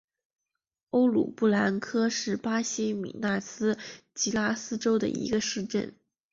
欧鲁布兰科是巴西米纳斯吉拉斯州的一个市镇。